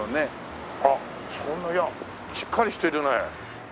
あっしっかりしてるね。